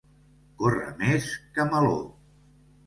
Córrer més que Meló.